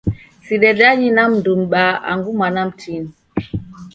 Sidedanye na mndu m'baa angu mwana mtini.